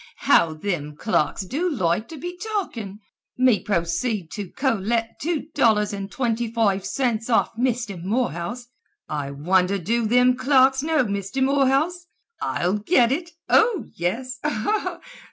"How thim clerks do loike to be talkin'! Me proceed to collect two dollars and twinty foive cints off Misther Morehouse! I wonder do thim clerks know Misther Morehouse? I'll git it! Oh, yes!